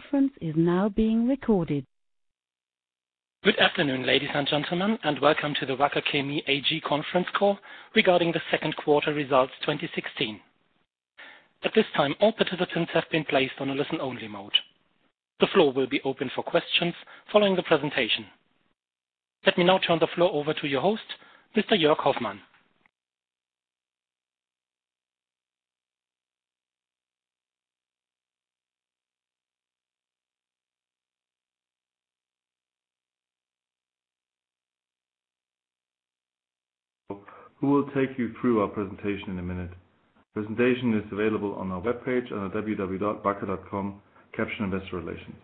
Conference is now being recorded. Good afternoon, ladies and gentlemen, and welcome to the Wacker Chemie AG conference call regarding the second quarter results 2016. At this time, all participants have been placed on a listen-only mode. The floor will be open for questions following the presentation. Let me now turn the floor over to your host, Mr. Jörg Hoffmann. Who will take you through our presentation in a minute. Presentation is available on our webpage at www.wacker.com, caption investor relations.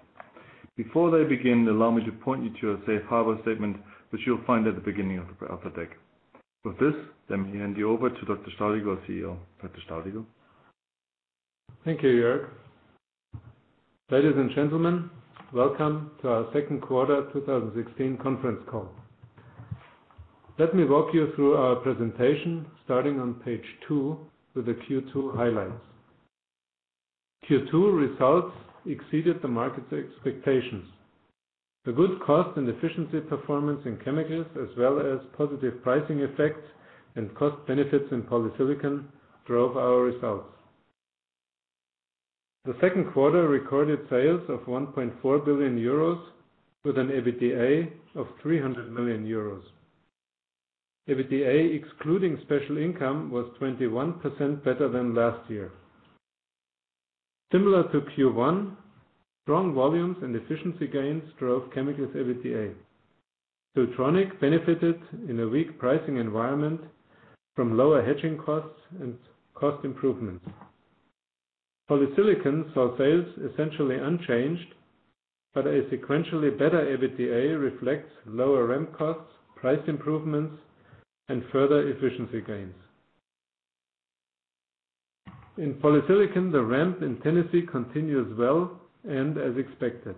Before they begin, allow me to point you to a safe harbor statement, which you'll find at the beginning of the deck. With this, let me hand you over to Dr. Staudigl, CEO. Dr. Staudigl. Thank you, Jörg. Ladies and gentlemen, welcome to our second quarter 2016 conference call. Let me walk you through our presentation, starting on page two with the Q2 highlights. Q2 results exceeded the market's expectations. The good cost and efficiency performance in chemicals, as well as positive pricing effects and cost benefits in polysilicon, drove our results. The second quarter recorded sales of 1.4 billion euros with an EBITDA of 300 million euros. EBITDA, excluding special income, was 21% better than last year. Similar to Q1, strong volumes and efficiency gains drove chemicals EBITDA. Siltronic benefited in a weak pricing environment from lower hedging costs and cost improvements. Polysilicon saw sales essentially unchanged, but a sequentially better EBITDA reflects lower ramp costs, price improvements, and further efficiency gains. In polysilicon, the ramp in Tennessee continues well and as expected.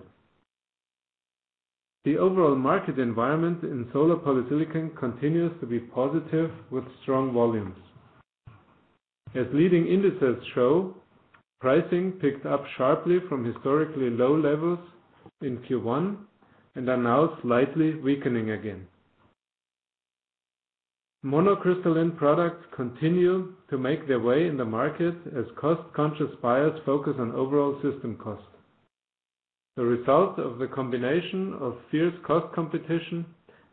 The overall market environment in solar polysilicon continues to be positive with strong volumes. As leading indices show, pricing picked up sharply from historically low levels in Q1 and are now slightly weakening again. Monocrystalline products continue to make their way in the market as cost-conscious buyers focus on overall system cost. The result of the combination of fierce cost competition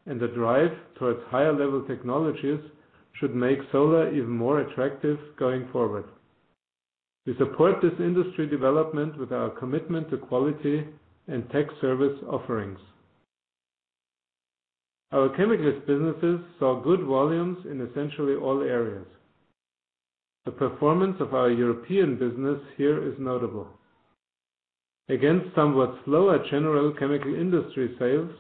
and the drive towards higher-level technologies should make solar even more attractive going forward. We support this industry development with our commitment to quality and tech service offerings. Our chemicals businesses saw good volumes in essentially all areas. The performance of our European business here is notable. Against somewhat slower general chemical industry sales,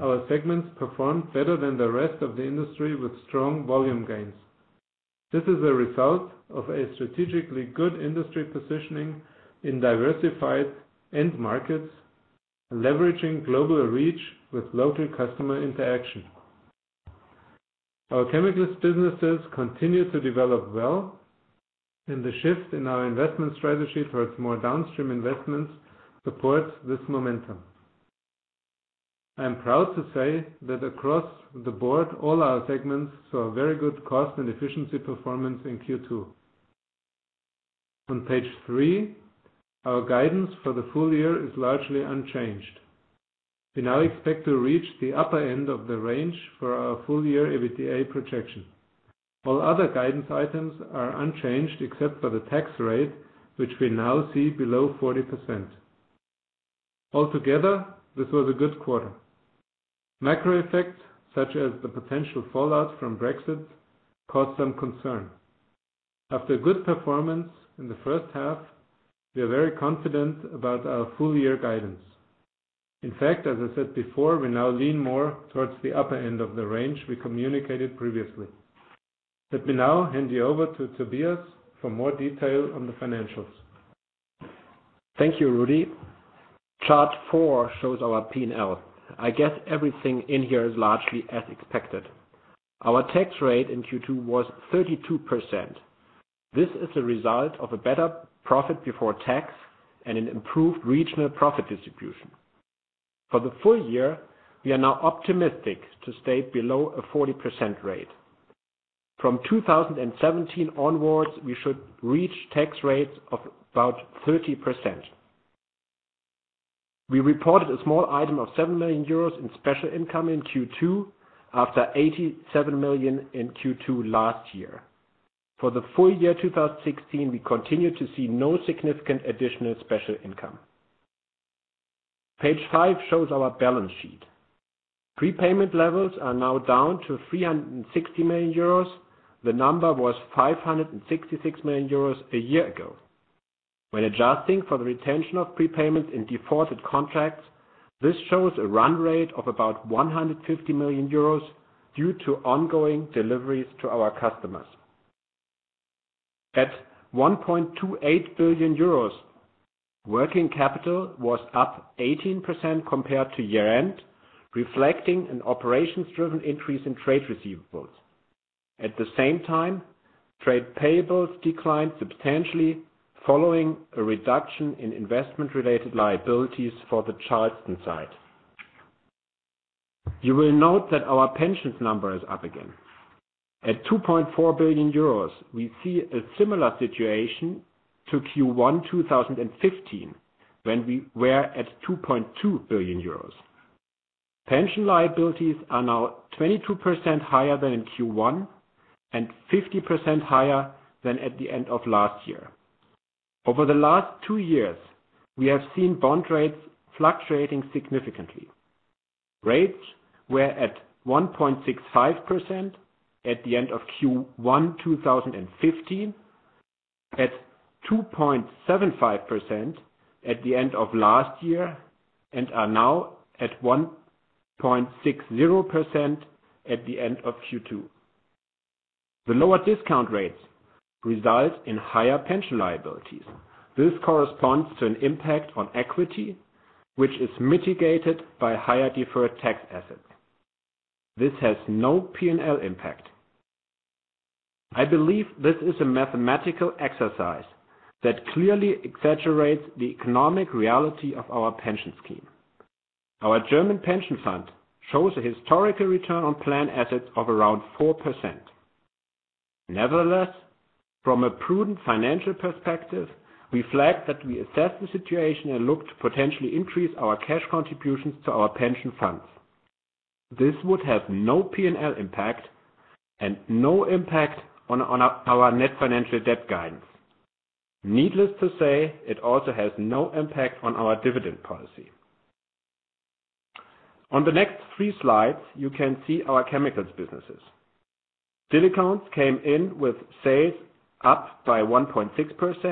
our segments performed better than the rest of the industry with strong volume gains. This is a result of a strategically good industry positioning in diversified end markets, leveraging global reach with local customer interaction. Our chemicals businesses continue to develop well, and the shift in our investment strategy towards more downstream investments supports this momentum. I am proud to say that across the board, all our segments saw very good cost and efficiency performance in Q2. On page three, our guidance for the full year is largely unchanged. We now expect to reach the upper end of the range for our full-year EBITDA projection. All other guidance items are unchanged except for the tax rate, which we now see below 40%. Altogether, this was a good quarter. Macro effects, such as the potential fallout from Brexit, caused some concern. After a good performance in the first half, we are very confident about our full-year guidance. In fact, as I said before, we now lean more towards the upper end of the range we communicated previously. Let me now hand you over to Tobias for more detail on the financials. Thank you, Rudy. Chart four shows our P&L. I guess everything in here is largely as expected. Our tax rate in Q2 was 32%. This is a result of a better profit before tax and an improved regional profit distribution. For the full year, we are now optimistic to stay below a 40% rate. From 2017 onwards, we should reach tax rates of about 30%. We reported a small item of 7 million euros in special income in Q2 after 87 million in Q2 last year. For the full year 2016, we continue to see no significant additional special income. Page five shows our balance sheet. Prepayment levels are now down to 360 million euros. The number was 566 million euros a year ago. When adjusting for the retention of prepayments in defaulted contracts, this shows a run rate of about 150 million euros due to ongoing deliveries to our customers. At 1.28 billion euros, working capital was up 18% compared to year-end, reflecting an operations-driven increase in trade receivables. At the same time, trade payables declined substantially following a reduction in investment-related liabilities for the Charleston site. You will note that our pensions number is up again. At 2.4 billion euros we see a similar situation to Q1 2015, when we were at 2.2 billion euros. Pension liabilities are now 22% higher than in Q1 and 50% higher than at the end of last year. Over the last two years, we have seen bond rates fluctuating significantly. Rates were at 1.65% at the end of Q1 2015, at 2.75% at the end of last year, and are now at 1.60% at the end of Q2. The lower discount rates result in higher pension liabilities. This corresponds to an impact on equity, which is mitigated by higher deferred tax assets. This has no P&L impact. I believe this is a mathematical exercise that clearly exaggerates the economic reality of our pension scheme. Our German pension fund shows a historical return on plan assets of around 4%. Nevertheless, from a prudent financial perspective, we flag that we assess the situation and look to potentially increase our cash contributions to our pension funds. This would have no P&L impact and no impact on our net financial debt guidance. Needless to say, it also has no impact on our dividend policy. On the next three slides, you can see our chemicals businesses. Silicones came in with sales up by 1.6%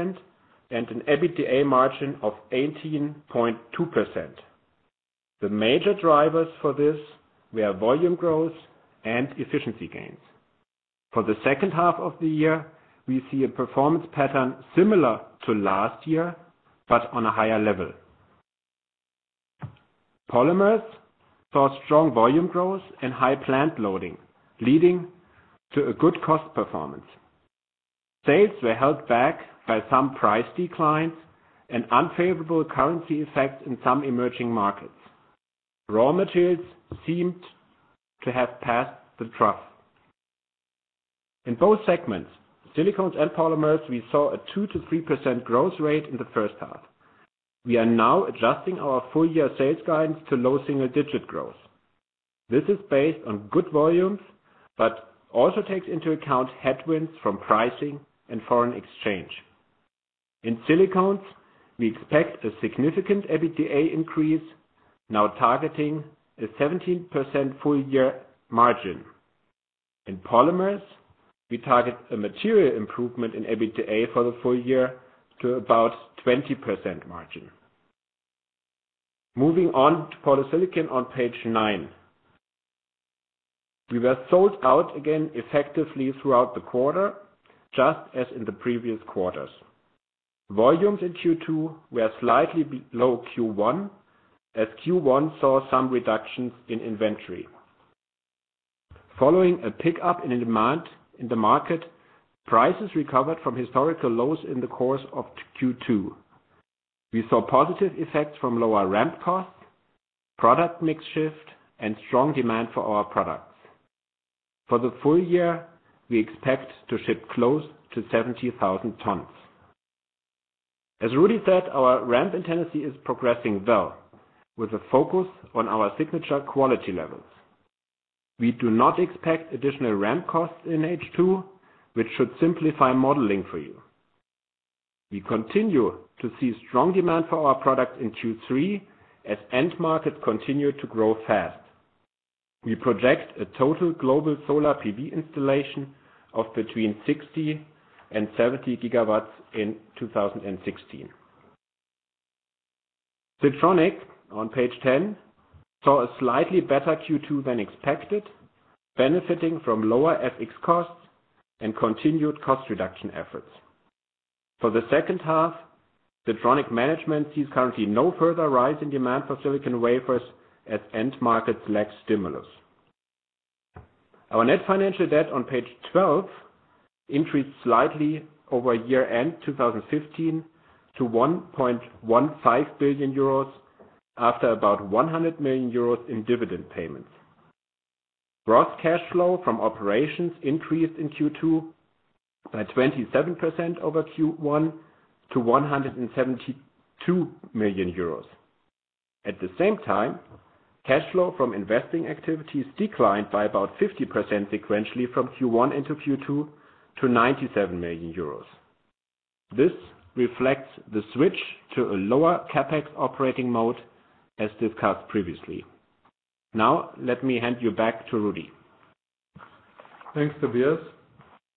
and an EBITDA margin of 18.2%. The major drivers for this were volume growth and efficiency gains. For the second half of the year, we see a performance pattern similar to last year, but on a higher level. Polymers saw strong volume growth and high plant loading, leading to a good cost performance. Sales were held back by some price declines and unfavorable currency effects in some emerging markets. Raw materials seemed to have passed the trough. In both segments, Silicones and Polymers, we saw a 2%-3% growth rate in the first half. We are now adjusting our full-year sales guidance to low single-digit growth. This is based on good volumes, but also takes into account headwinds from pricing and foreign exchange. In Silicones, we expect a significant EBITDA increase, now targeting a 17% full-year margin. In Polymers, we target a material improvement in EBITDA for the full year to about 20% margin. Moving on to polysilicon on page nine. We were sold out again effectively throughout the quarter, just as in the previous quarters. Volumes in Q2 were slightly below Q1, as Q1 saw some reductions in inventory. Following a pickup in demand in the market, prices recovered from historical lows in the course of Q2. We saw positive effects from lower ramp costs, product mix shift, and strong demand for our products. For the full year, we expect to ship close to 70,000 tons. As Rudi said, our ramp in Tennessee is progressing well, with a focus on our signature quality levels. We do not expect additional ramp costs in H2, which should simplify modeling for you. We continue to see strong demand for our products in Q3 as end markets continue to grow fast. We project a total global solar PV installation of between 60 and 70 gigawatts in 2016. Siltronic, on page 10, saw a slightly better Q2 than expected, benefiting from lower FX costs and continued cost reduction efforts. For the second half, Siltronic management sees currently no further rise in demand for silicon wafers as end markets lack stimulus. Our net financial debt on page 12 increased slightly over year-end 2015 to 1.15 billion euros after about 100 million euros in dividend payments. Gross cash flow from operations increased in Q2 by 27% over Q1 to 172 million euros. At the same time, cash flow from investing activities declined by about 50% sequentially from Q1 into Q2 to 97 million euros. This reflects the switch to a lower CapEx operating mode, as discussed previously. Let me hand you back to Rudi. Thanks, Tobias.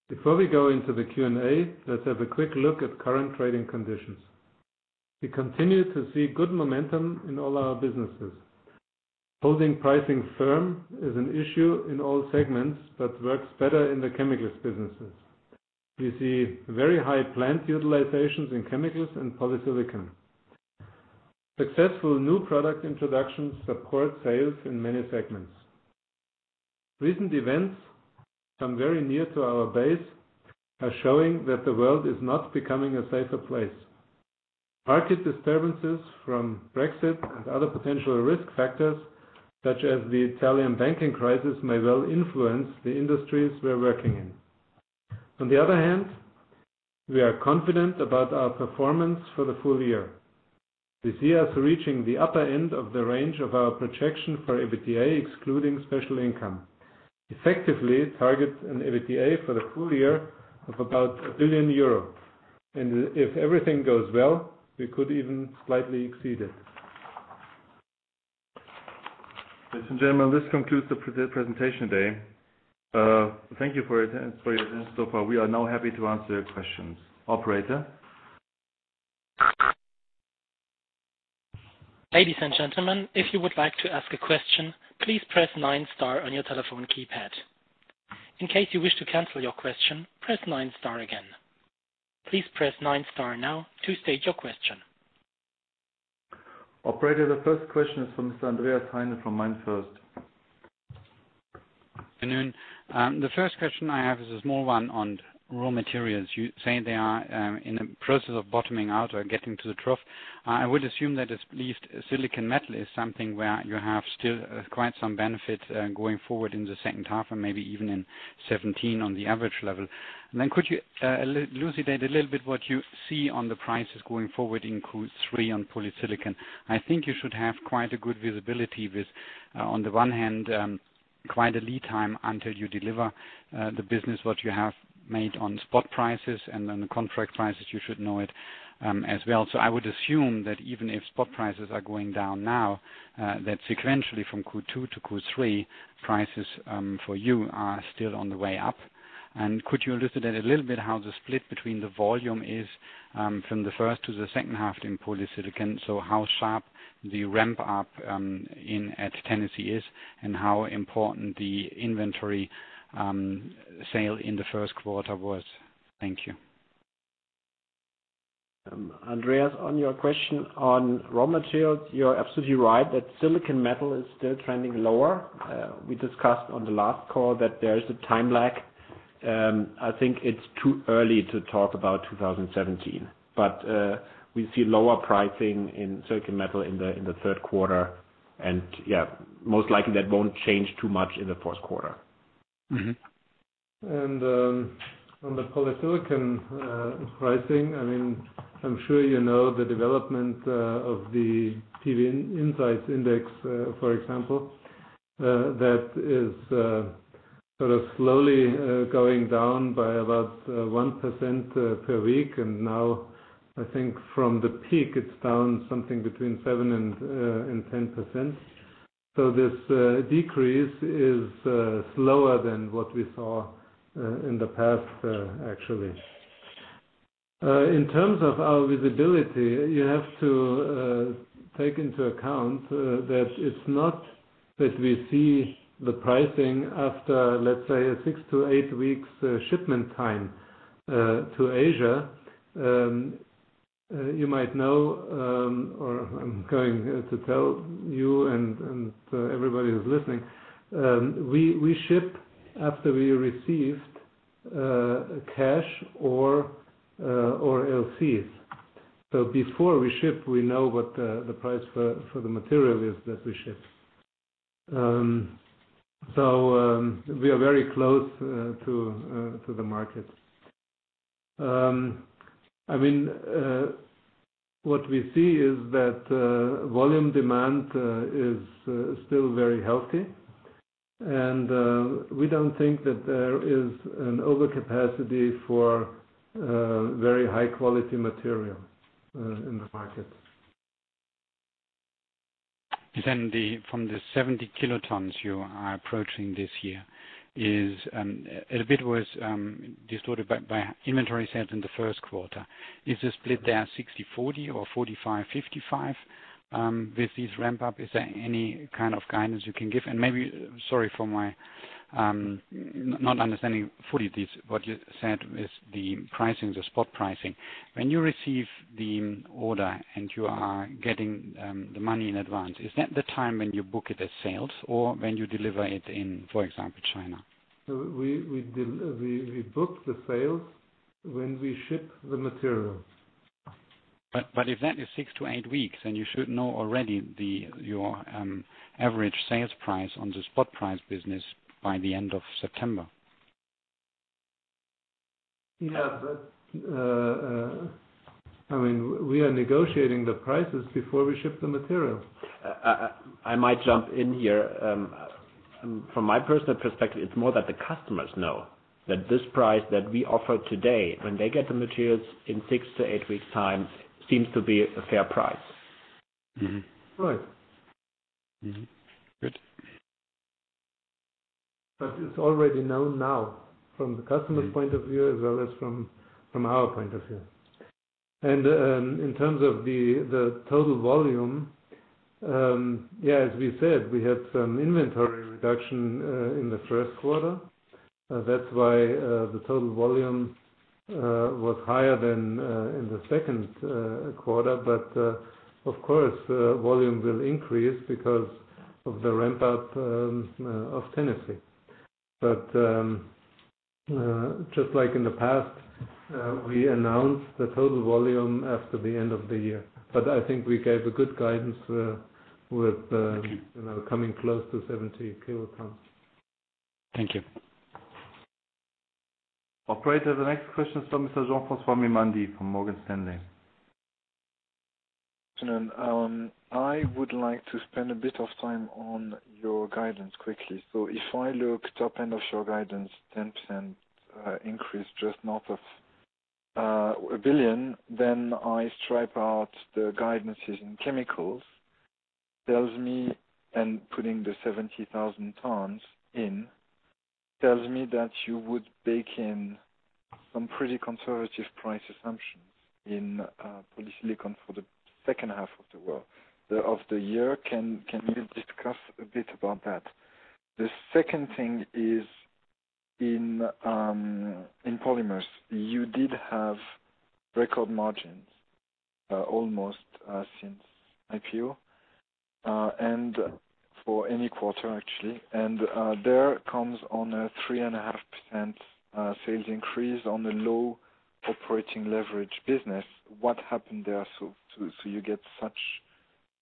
Before we go into the Q&A, let's have a quick look at current trading conditions. We continue to see good momentum in all our businesses. Holding pricing firm is an issue in all segments, but works better in the chemicals businesses. We see very high plant utilizations in chemicals and polysilicon. Successful new product introductions support sales in many segments. Recent events come very near to our base are showing that the world is not becoming a safer place. Market disturbances from Brexit and other potential risk factors, such as the Italian banking crisis, may well influence the industries we're working in. On the other hand, we are confident about our performance for the full year. We see us reaching the upper end of the range of our projection for EBITDA, excluding special income. Effectively target an EBITDA for the full year of about 1 billion euro. If everything goes well, we could even slightly exceed it. Ladies and gentlemen, this concludes the presentation today. Thank you for your attention so far. We are now happy to answer your questions. Operator? Ladies and gentlemen, if you would like to ask a question, please press nine star on your telephone keypad. In case you wish to cancel your question, press nine star again. Please press nine star now to state your question. Operator, the first question is from Mr. Andreas Heine from MainFirst. Good afternoon. The first question I have is a small one on raw materials. You say they are in the process of bottoming out or getting to the trough. I would assume that at least silicon metal is something where you have still quite some benefit going forward in the second half and maybe even in 2017 on the average level. Could you elucidate a little bit what you see on the prices going forward in Q3 on polysilicon? I think you should have quite a good visibility with, on the one hand, quite a lead time until you deliver the business that you have made on spot prices, and then the contract prices, you should know it as well. I would assume that even if spot prices are going down now, that sequentially from Q2 to Q3, prices for you are still on the way up. Could you elucidate a little bit how the split between the volume is from the first to the second half in polysilicon? How sharp the ramp-up at Tennessee is and how important the inventory sale in the first quarter was. Thank you. Andreas, on your question on raw materials, you're absolutely right that silicon metal is still trending lower. We discussed on the last call that there is a time lag. I think it's too early to talk about 2017. We see lower pricing in silicon metal in the third quarter. Most likely that won't change too much in the fourth quarter. On the polysilicon pricing, I'm sure you know the development of the PVinsights index, for example, that is slowly going down by about 1% per week. Now I think from the peak it's down something between 7% and 10%. This decrease is slower than what we saw in the past, actually. In terms of our visibility, you have to take into account that it's not that we see the pricing after, let's say, a six to eight weeks shipment time to Asia. You might know, or I'm going to tell you and everybody who's listening. We ship after we received cash or LCs. Before we ship, we know what the price for the material is that we ship. We are very close to the market. What we see is that volume demand is still very healthy, and we don't think that there is an overcapacity for very high-quality material in the market. From the 70 kilotons you are approaching this year is a bit was distorted by inventory sales in the first quarter. Is the split there 60-40 or 45-55? With this ramp-up, is there any kind of guidance you can give? Maybe, sorry for my not understanding fully this, what you said is the pricing, the spot pricing. When you receive the order and you are getting the money in advance, is that the time when you book it as sales or when you deliver it in, for example, China? We book the sales when we ship the materials. If that is six to eight weeks, then you should know already your average sales price on the spot price business by the end of September. Yeah. We are negotiating the prices before we ship the material. I might jump in here. From my personal perspective, it's more that the customers know that this price that we offer today, when they get the materials in six to eight weeks time, seems to be a fair price. Right. Good. It's already known now from the customer's point of view, as well as from our point of view. In terms of the total volume. Yeah. As we said, we had some inventory reduction in the first quarter. That's why the total volume was higher than in the second quarter. Of course, volume will increase because of the ramp-up of Tennessee. Just like in the past, we announce the total volume after the end of the year. I think we gave a good guidance with. Thank you. Coming close to 70 kilotons. Thank you. Operator, the next question is from Mr. Jean-Francois Mimandi from Morgan Stanley. Good afternoon. I would like to spend a bit of time on your guidance quickly. If I look top end of show guidance, 10% increase just north of 1 billion. I stripe out the guidances in chemicals, and putting the 70,000 tons in, tells me that you would bake in some pretty conservative price assumptions in polysilicon for the second half of the year. Can you discuss a bit about that? The second thing is in polymers. You did have record margins, almost since IPO, and for any quarter, actually. There comes on a 3.5% sales increase on a low operating leverage business. What happened there so you get such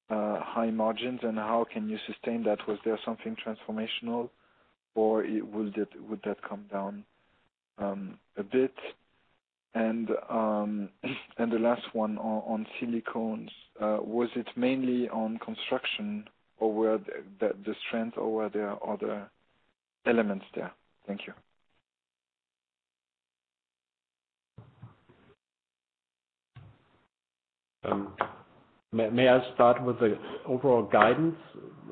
high margins, and how can you sustain that? Was there something transformational or would that come down a bit? And the last one on silicones. Was it mainly on construction or were there other elements there? Thank you. May I start with the overall guidance?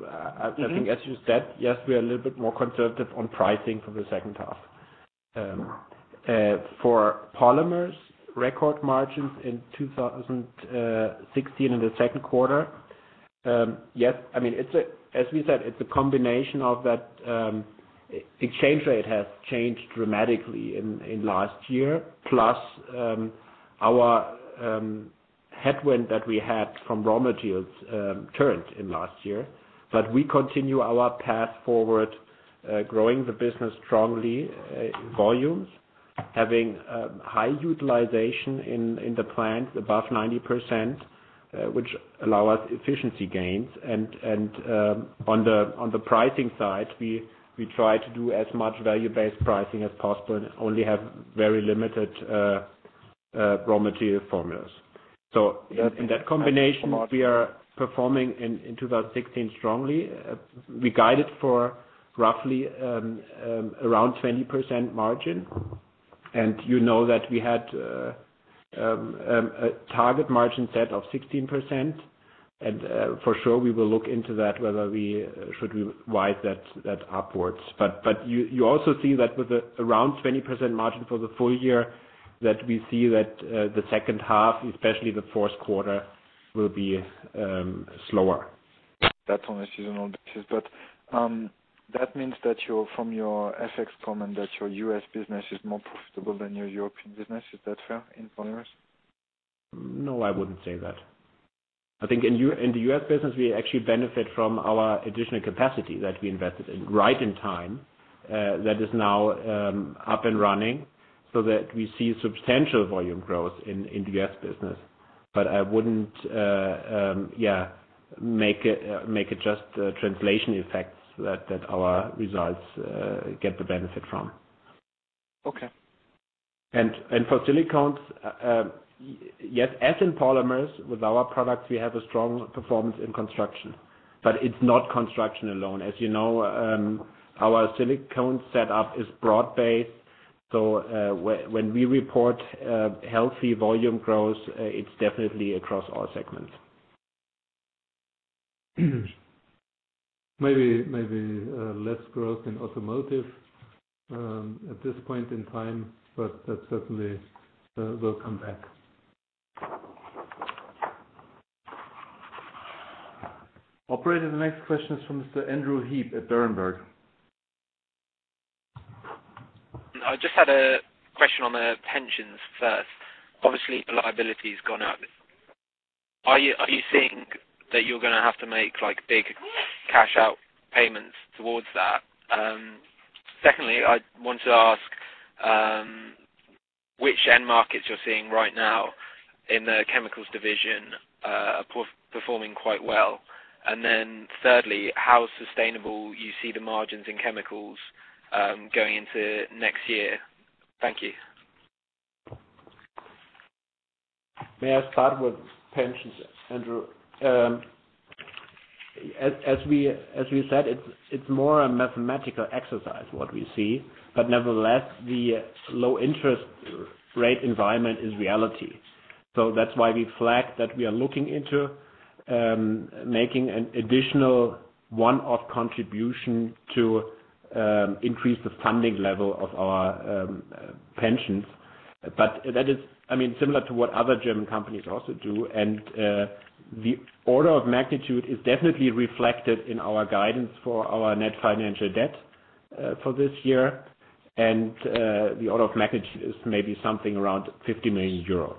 Yeah. I think as you said, yes, we are a little bit more conservative on pricing for the second half. For polymers, record margins in 2016 in the second quarter. Yes, as we said, it's a combination of that exchange rate has changed dramatically in last year. Plus, our headwind that we had from raw materials turned in last year. We continue our path forward, growing the business strongly in volumes, having high utilization in the plant above 90%, which allow us efficiency gains. On the pricing side, we try to do as much value-based pricing as possible and only have very limited raw material formulas. In that combination, we are performing in 2016 strongly. We guided for roughly around 20% margin. You know that we had a target margin set of 16%, and for sure we will look into that, whether we should revise that upwards. You also see that with around 20% margin for the full year, that we see that the second half, especially the fourth quarter, will be slower. That's on a seasonal basis. That means that from your FX comment, that your U.S. business is more profitable than your European business. Is that fair, in polymers? No, I wouldn't say that. I think in the U.S. business, we actually benefit from our additional capacity that we invested in right in time, that is now up and running. We see substantial volume growth in the U.S. business. I wouldn't make it just translation effects that our results get the benefit from. Okay. For silicones, yes, as in polymers with our products, we have a strong performance in construction. It's not construction alone. As you know, our silicones set-up is broad-based. When we report healthy volume growth, it's definitely across all segments. Maybe less growth in automotive at this point in time, that certainly will come back. Operator, the next question is from Mr. Andrew Heap at Berenberg. I just had a question on the pensions first. Obviously, the liability's gone up. Are you saying that you're going to have to make big cash-out payments towards that? Secondly, I want to ask which end markets you're seeing right now in the chemicals division are performing quite well? Thirdly, how sustainable you see the margins in chemicals going into next year? Thank you. May I start with pensions, Andrew? As we said, it's more a mathematical exercise, what we see. Nevertheless, the low interest rate environment is reality. That's why we flagged that we are looking into making an additional one-off contribution to increase the funding level of our pensions. That is similar to what other German companies also do. The order of magnitude is definitely reflected in our guidance for our net financial debt for this year. The order of magnitude is maybe something around 50 million euro.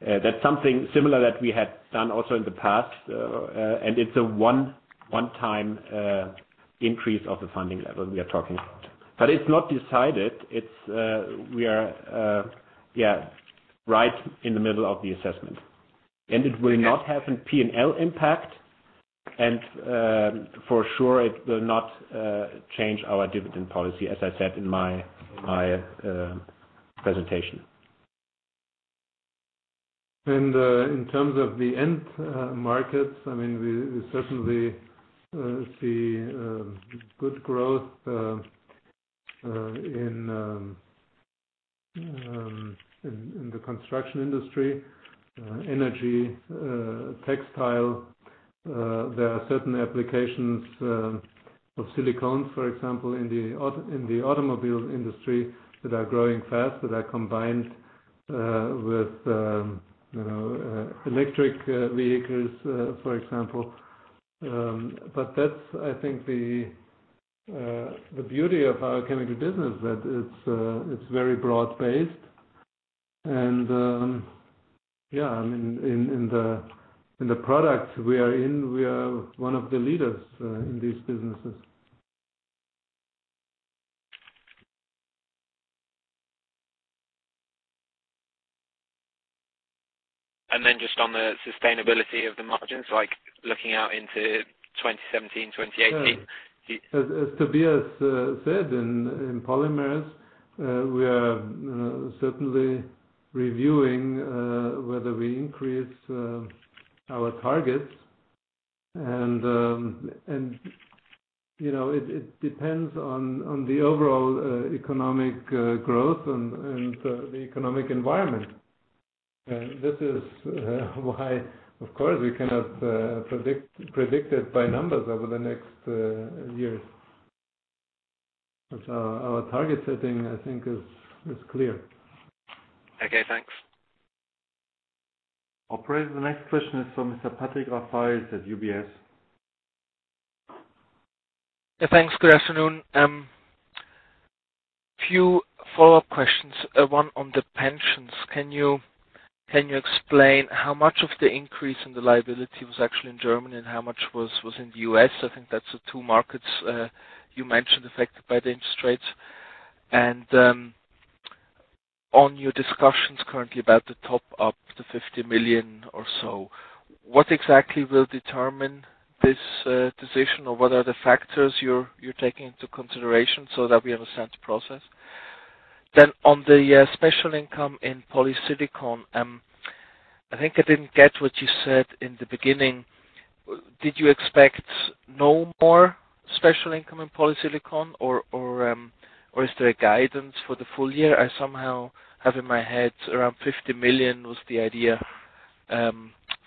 That's something similar that we had done also in the past, and it's a one-time increase of the funding level we are talking about. It's not decided. We are right in the middle of the assessment. It will not have a P&L impact, and for sure, it will not change our dividend policy, as I said in my presentation. In terms of the end markets, we certainly see good growth in the construction industry, energy, textile. There are certain applications of silicone, for example, in the automobile industry that are growing fast, that are combined with electric vehicles, for example. That's, I think the beauty of our chemical business, that it's very broad-based. Yeah, in the products we are in, we are one of the leaders in these businesses. Just on the sustainability of the margins, like looking out into 2017, 2018. Yeah. As Tobias said, in polymers, we are certainly reviewing whether we increase our targets. It depends on the overall economic growth and the economic environment. This is why, of course, we cannot predict it by numbers over the next years. Our target setting, I think, is clear. Okay, thanks. Operator, the next question is from Mr. Patrick Rafaisz at UBS. Thanks. Good afternoon. A few follow-up questions. One on the pensions. Can you explain how much of the increase in the liability was actually in Germany and how much was in the U.S.? I think that's the two markets you mentioned affected by the interest rates. On your discussions currently about the top of the 50 million or so, what exactly will determine this decision, or what are the factors you're taking into consideration so that we have a sense process? On the special income in polysilicon, I think I didn't get what you said in the beginning. Did you expect no more special income in polysilicon, or is there a guidance for the full year? I somehow have in my head around 50 million was the idea,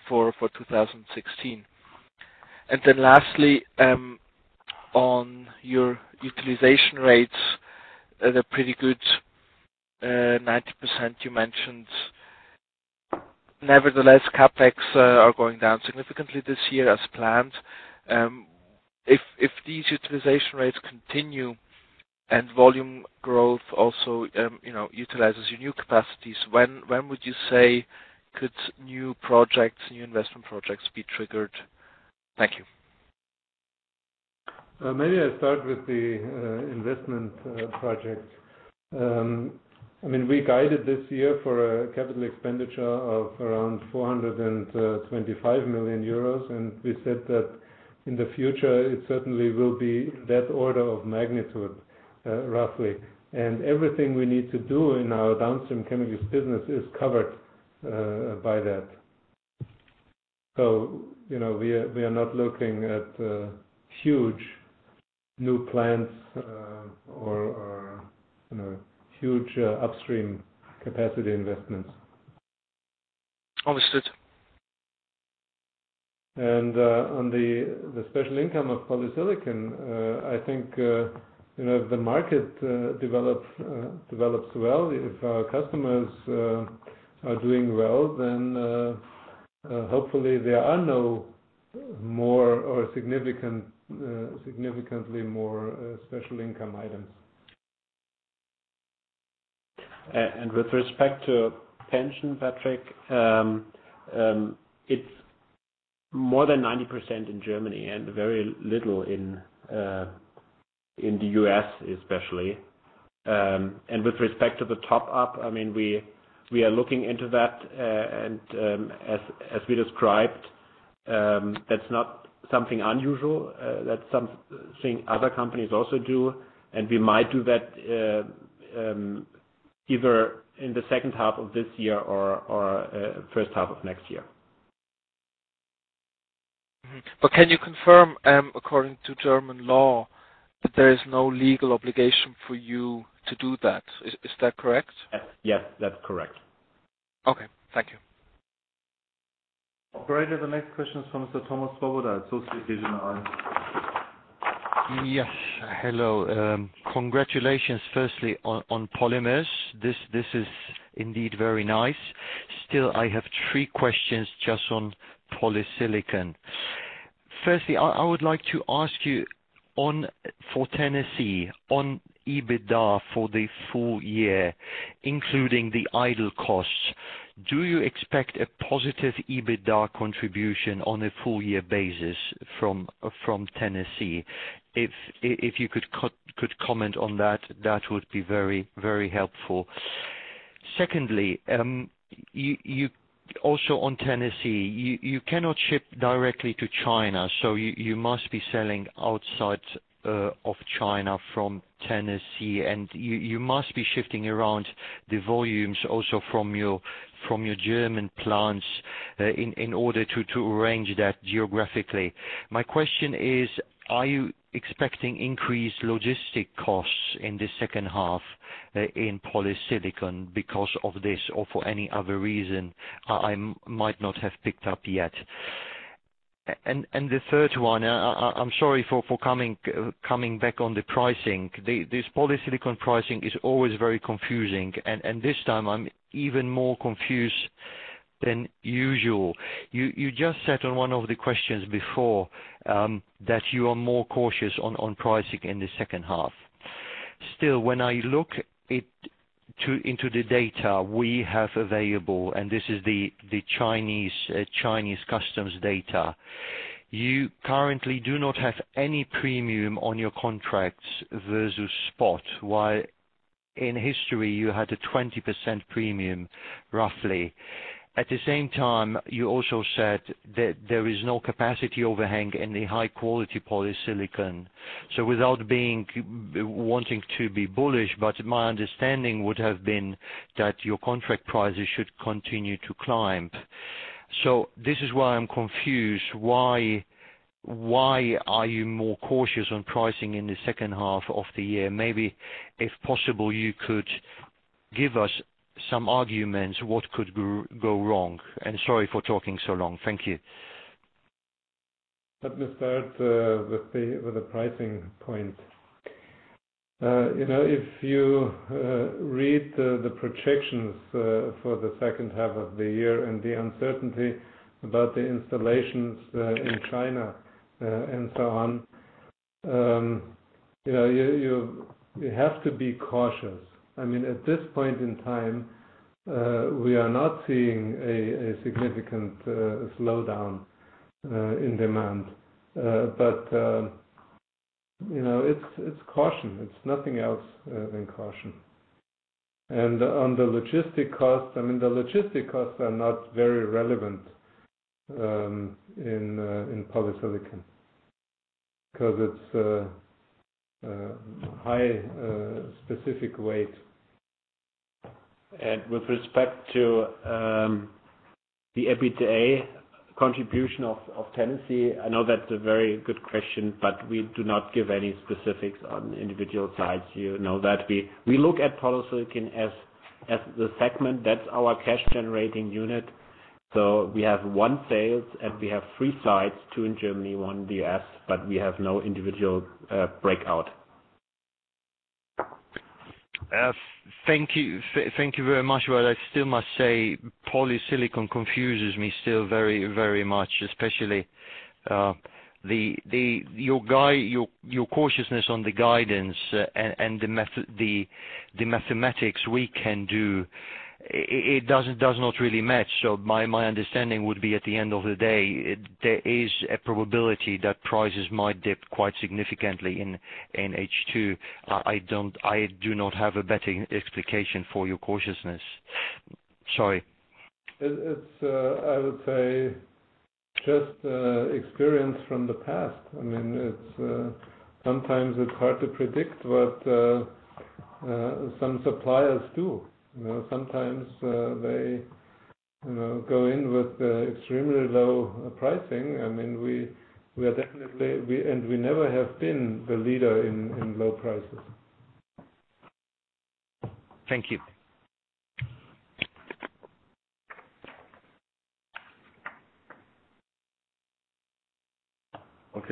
for 2016. Lastly, on your utilization rates at a pretty good 90% you mentioned. Nevertheless, CapEx are going down significantly this year as planned. If these utilization rates continue and volume growth also utilizes your new capacities, when would you say could new projects, new investment projects be triggered? Thank you. Maybe I start with the investment project. We guided this year for a capital expenditure of around 425 million euros, and we said that in the future, it certainly will be that order of magnitude, roughly. Everything we need to do in our downstream chemicals business is covered by that. We are not looking at huge new plants or huge upstream capacity investments. Understood. On the special income of polysilicon, I think, if the market develops well, if our customers are doing well, then hopefully there are no more or significantly more special income items. With respect to pension, Patrick, it's more than 90% in Germany and very little in the U.S. especially. With respect to the top up, we are looking into that, and as we described, that's not something unusual. That's something other companies also do, and we might do that either in the second half of this year or first half of next year. Can you confirm, according to German law, that there is no legal obligation for you to do that? Is that correct? Yes, that's correct. Okay. Thank you. Operator, the next question is from Mr. Thomas Swoboda at SocGen in Ireland. Yes. Hello. Congratulations, firstly, on polymers. This is indeed very nice. Still, I have three questions just on polysilicon. Firstly, I would like to ask you, for Tennessee, on EBITDA for the full year, including the idle costs, do you expect a positive EBITDA contribution on a full year basis from Tennessee? If you could comment on that would be very helpful. Secondly, also on Tennessee. You cannot ship directly to China, so you must be selling outside of China from Tennessee, and you must be shifting around the volumes also from your German plants in order to arrange that geographically. My question is, are you expecting increased logistic costs in the second half in polysilicon because of this, or for any other reason I might not have picked up yet? The third one, I'm sorry for coming back on the pricing. This polysilicon pricing is always very confusing, and this time I'm even more confused than usual. You just said on one of the questions before that you are more cautious on pricing in the second half. Still, when I look into the data we have available, and this is the Chinese customs data. You currently do not have any premium on your contracts versus spot, while in history, you had a 20% premium, roughly. At the same time, you also said that there is no capacity overhang in the high-quality polysilicon. Without wanting to be bullish, my understanding would have been that your contract prices should continue to climb. This is why I'm confused. Why are you more cautious on pricing in the second half of the year? Maybe, if possible, you could give us some arguments what could go wrong. Sorry for talking so long. Thank you. Let me start with the pricing point. If you read the projections for the second half of the year and the uncertainty about the installations in China and so on, you have to be cautious. At this point in time, we are not seeing a significant slowdown in demand. It's caution. It's nothing else than caution. On the logistic costs, the logistic costs are not very relevant in polysilicon because it's a high specific weight. With respect to the EBITDA contribution of Tennessee, I know that's a very good question, but we do not give any specifics on individual sites. You know that. We look at polysilicon as the segment. That's our cash-generating unit. We have one sales, and we have three sites, two in Germany, one in the U.S., but we have no individual breakout. Thank you. Thank you very much. I still must say, polysilicon confuses me still very much, especially your cautiousness on the guidance and the mathematics we can do. It does not really match. My understanding would be, at the end of the day, there is a probability that prices might dip quite significantly in H2. I do not have a better explication for your cautiousness. Sorry. It's, I would say, just experience from the past. Sometimes it's hard to predict what some suppliers do. Sometimes they go in with extremely low pricing. We are definitely, and we never have been the leader in low prices. Thank you.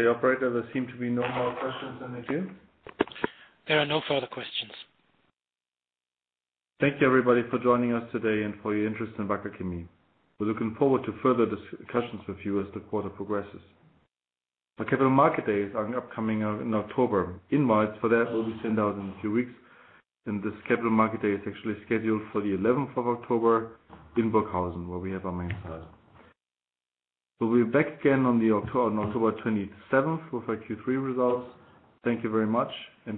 Operator, there seem to be no more questions in the queue. There are no further questions. Thank you, everybody, for joining us today and for your interest in Wacker Chemie. We're looking forward to further discussions with you as the quarter progresses. Our Capital Market Day is upcoming in October. Invites for that will be sent out in a few weeks. This Capital Market Day is actually scheduled for the 11th of October in Burghausen, where we have our main site. We'll be back again on October 27th with our Q3 results. Thank you very much, and goodbye.